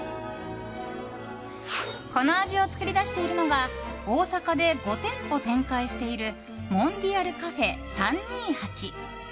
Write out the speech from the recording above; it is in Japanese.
この味を作り出しているのが大阪で５店舗展開しているモンディアルカフェ３２８。